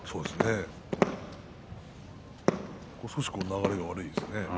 少し流れが悪いですね。